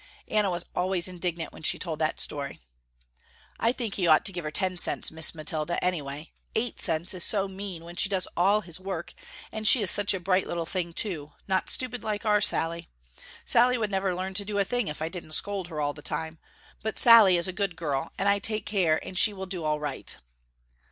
Anna was always indignant when she told that story. "I think he ought to give her ten cents Miss Mathilda any way. Eight cents is so mean when she does all his work and she is such a bright little thing too, not stupid like our Sallie. Sallie would never learn to do a thing if I didn't scold her all the time, but Sallie is a good girl, and I take care and she will do all right."